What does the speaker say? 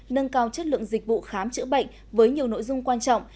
nâng cao chất lượng dịch vụ khám chữa bệnh với nhiều nội dung quan trọng